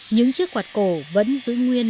những chiếc quạt cổ vẫn giữ nguyên